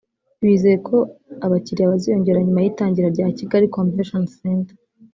bizeye ko abakiliya baziyongera nyuma y’itangira rya Kigali Convention Centre